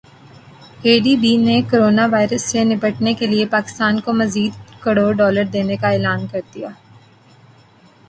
اے ڈی بی نے کورونا وائرس سے نمٹنے کیلئے پاکستان کو مزید کروڑ ڈالر دینے کا اعلان کردیا